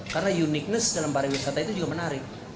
karena uniqueness dalam pariwisata itu juga menarik